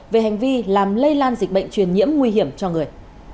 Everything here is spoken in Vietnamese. về hành vi làm lây lan dịch bệnh truyền nhiễm nguy hiểm cho người